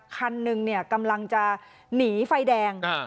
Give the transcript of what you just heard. คันหนึ่งเนี่ยกำลังจะหนีไฟแดงอ่า